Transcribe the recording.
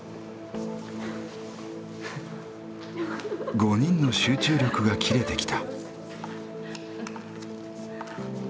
５人の集中力が切れてきた。